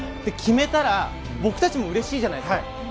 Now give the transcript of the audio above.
決めたら、僕たちもうれしいじゃないですか。